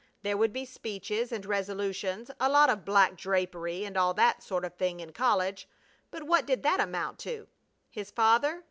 There would be speeches and resolutions, a lot of black drapery, and all that sort of thing in college, but what did that amount to? His father?